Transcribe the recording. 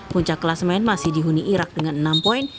puncak kelas main masih dihuni irak dengan enam poin